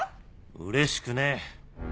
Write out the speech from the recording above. うれしくねえ。